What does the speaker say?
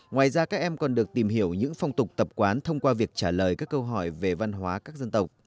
ngoài ra các em còn được tìm hiểu những phong tục tập quán thông qua việc trả lời các câu hỏi về văn hóa các dân tộc